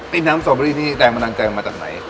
ติดน้ำสตรอเบอร์รี่นี่แจงมานานแจงมาจากไหน